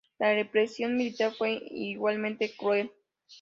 La represión militar fue igualmente cruel.